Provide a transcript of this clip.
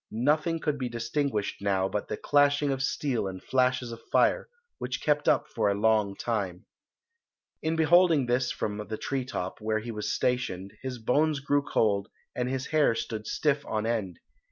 Nothing could be distinguished now but the clashing of steel and flashes of fire, which kept up for a long time. In beholding this from the tree top, where he was stationed, his bones grew cold and his hair stood stiff on end.